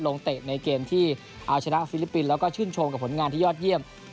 เตะในเกมที่เอาชนะฟิลิปปินส์แล้วก็ชื่นชมกับผลงานที่ยอดเยี่ยม